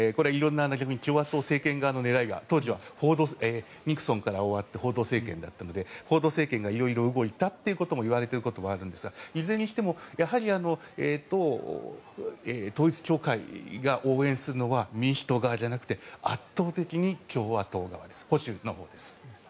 共和党政権側の狙いがニクソンから終わってフォード政権だったのでフォード政権が動いたと言われていることもあるんですがいずれにしても統一教会が応援するのは民主党側じゃなくて圧倒的に共和党側保守のほうです。